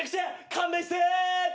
勘弁して！